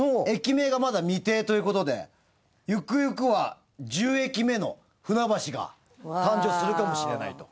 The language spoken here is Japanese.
駅名がまだ未定という事でゆくゆくは１０駅目の船橋が誕生するかもしれないと。